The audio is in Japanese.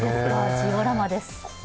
ジオラマです。